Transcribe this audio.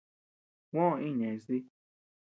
Juó iñnés dí.